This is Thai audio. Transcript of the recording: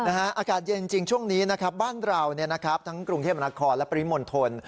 อากาศเย็นจริงช่วงนี้นะครับบ้านเราทั้งกรุงเทพนครและปริมณฑล